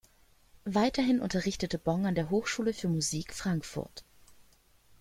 Weiterhin unterrichtete Bong an der Hochschule für Musik Frankfurt.